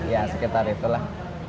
ya sekitar itulah